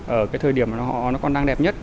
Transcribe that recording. ở cái thời điểm mà họ còn đang đẹp nhất